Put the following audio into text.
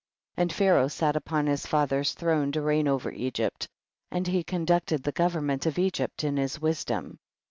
7. And Pharaoh sal upon liis fa ther's throne to reign over Egypt, and he conducted the government of Egypt in his wisdom.